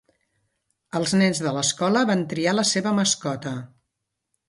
Els nens de l'escola van triar la seva mascota.